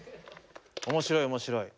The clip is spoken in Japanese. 面白い面白い。